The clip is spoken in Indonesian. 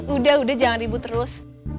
udah udah jangan ribut terus